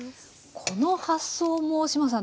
この発想も志麻さん